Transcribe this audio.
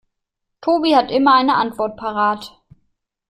Tobi hat immer eine Antwort parat.